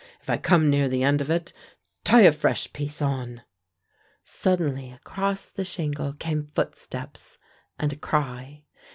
If I come near the end of it, tie a fresh piece on " Suddenly across the shingle came footsteps, and a cry.